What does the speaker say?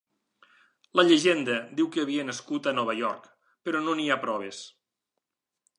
La llegenda diu que havia nascut a Nova York, però no n'hi ha proves.